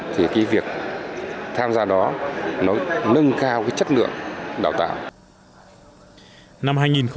thì việc tham gia đó nó nâng cao chất lượng đào tạo